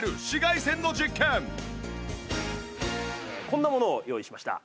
こんなものを用意しました。